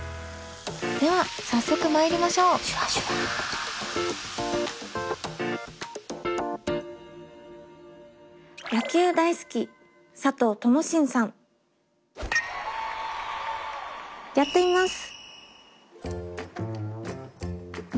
では早速まいりましょうやってみます。